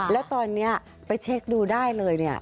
แล้วตอนนี้ไปเช็คดูได้เลยเนี่ย